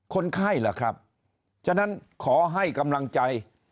คนไข้ล่ะครับฉะนั้นขอให้กำลังใจ